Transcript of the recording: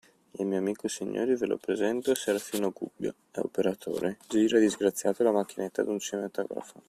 Il mio amico, signori - ve lo presento: Serafino Gubbio - è operatore: gira, disgraziato, la macchinetta d'un cinematografo.